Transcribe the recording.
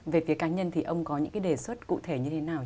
về phía cá nhân thì ông có những cái đề xuất cụ thể như thế nào